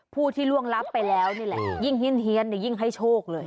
ผู้ที่ล่วงลับไปแล้วนี่แหละยิ่งเฮียนยิ่งให้โชคเลย